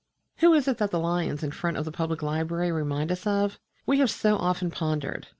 Who is it that the lions in front of the Public Library remind us of? We have so often pondered.